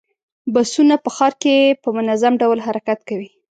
بسونه په ښار کې په منظم ډول حرکت کوي.